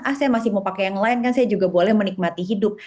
ah saya masih mau pakai yang lain kan saya juga boleh menikmati hidup